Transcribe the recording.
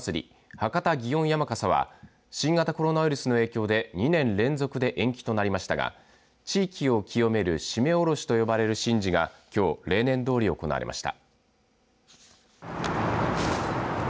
博多祇園山笠は新型コロナウイルスの影響で２年連続で延期となりましたが地域を清める注連下ろしと呼ばれる神事がきょう例年どおり行われました。